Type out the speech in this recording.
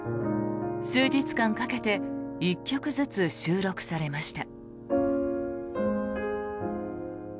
数日間かけて１曲ずつ収録されました。